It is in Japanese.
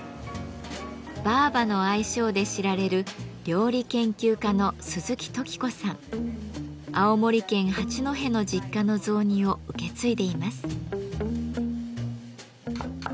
「ばぁば」の愛称で知られる青森県八戸の実家の雑煮を受け継いでいます。